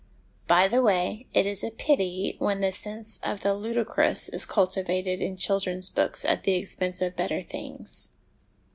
By the way, it is a pity when the sense of the ludicrous is cultivated in children's books at the expense of better things.